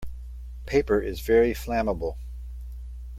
Paper is very flammable.